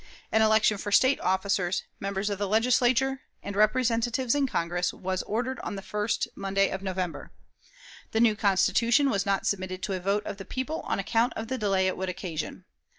An election for State officers, members of the Legislature, and Representatives in Congress, was ordered on the first Monday of November. The new Constitution was not submitted to a vote of the people on account of the delay it would occasion.